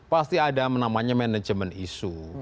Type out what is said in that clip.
pasti ada namanya manajemen isu